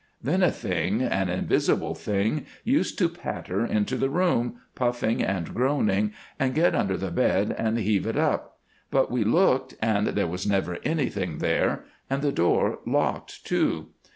Then a thing, an invisible thing, used to patter into the room, puffing and groaning, and get under the bed and heave it up, but we looked and there was never anything there, and the door locked too.